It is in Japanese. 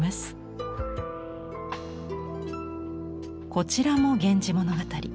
こちらも「源氏物語」。